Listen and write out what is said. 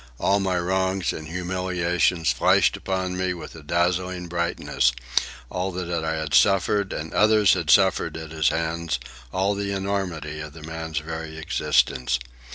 All my wrongs and humiliations flashed upon me with a dazzling brightness, all that I had suffered and others had suffered at his hands, all the enormity of the man's very existence.